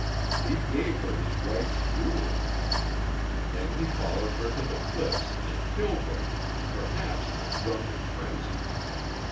He gave her his wife's jewels. Then he followed her to the cliffs and killed her, perhaps in a drunken frenzy.